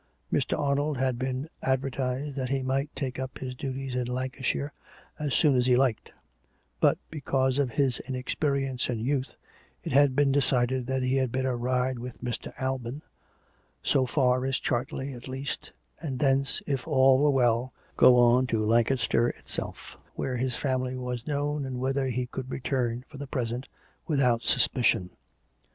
Mr. Arnold had been advertised that he might take up his duties in Lan cashire as soon as he liked; but, because of his inexperience and youth, it had been decided that he had better ride with " Mr. Alban " so far as Chartley at least, and thence, if all were well, go on to Lancaster itself, where his family was known, and whither he could return, for the present, with out suspicion.